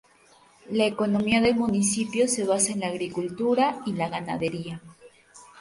La economía del municipio se basa en la agricultura y la ganadería.